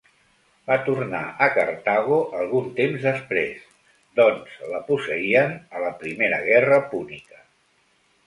Va tornar a Cartago algun temps després doncs la posseïen a la Primera Guerra Púnica.